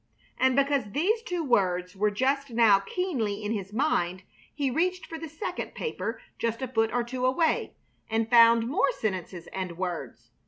And because these two words were just now keenly in his mind he reached for the second paper just a foot or two away and found more sentences and words.